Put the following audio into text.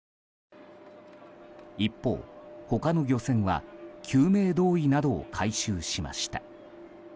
一方、他の漁船は救命胴衣などを回収しました。